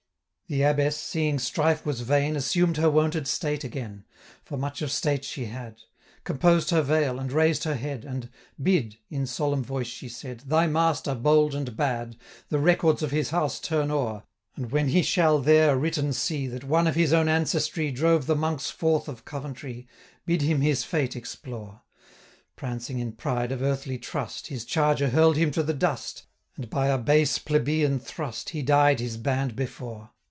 The Abbess, seeing strife was vain, 905 Assumed her wonted state again, For much of state she had, Composed her veil, and raised her head, And 'Bid,' in solemn voice she said, 'Thy master, bold and bad, 910 The records of his house turn o'er, And, when he shall there written see, That one of his own ancestry Drove the monks forth of Coventry, Bid him his fate explore! 915 Prancing in pride of earthly trust, His charger hurl'd him to the dust, And, by a base plebeian thrust, He died his band before.